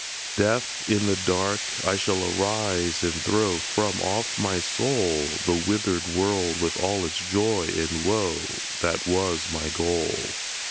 Deaf, in the dark, I shall arise and throw From off my soul, The withered world with all its joy and woe, That was my goal.